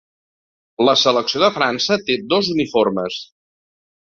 La selecció de França té dos uniformes.